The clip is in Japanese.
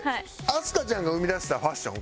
明日香ちゃんが生み出したファッション？